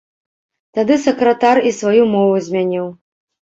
Тады сакратар і сваю мову змяніў.